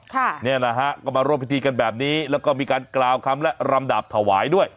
เนี่ยนะฮะก็มาร่วมพิธีกันแบบนี้แล้วก็มีการกล่าวคำและรำดาบถวายด้วย